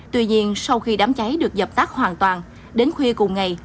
tuy nhiên sau khi đám cháy được dập tắt hoàn toàn đến khuya cùng ngày